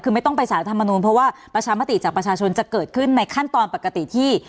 คือไม่ต้องไปสารรัฐธรรมนูลเพราะว่าประชามติจากประชาชนจะเกิดขึ้นในขั้นตอนปกติที่